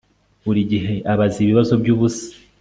buri gihe abaza ibibazo byubusa